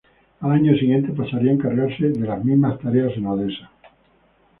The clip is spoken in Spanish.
Al año siguiente pasaría a encargarse de las mismas tareas en Odesa.